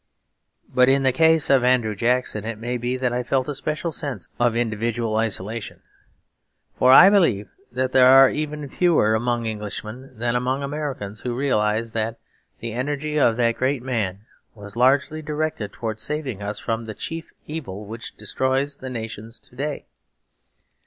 But in the case of Andrew Jackson it may be that I felt a special sense of individual isolation; for I believe that there are even fewer among Englishmen than among Americans who realise that the energy of that great man was largely directed towards saving us from the chief evil which destroys the nations to day.